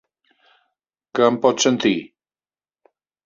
Que em pots sentir?